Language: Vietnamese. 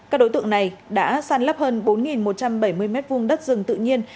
các đối tượng này đã săn lấp hơn bốn một trăm bảy mươi m hai đất rừng tự nhiên